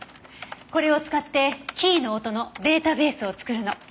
これを使ってキーの音のデータベースを作るの。